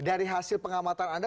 dari hasil pengamatan anda